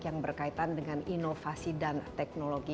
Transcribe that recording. yang berkaitan dengan inovasi dan teknologi